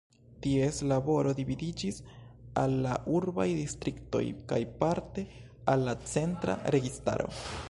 Ties laboro dividiĝis al la urbaj distriktoj kaj parte al la centra registaro.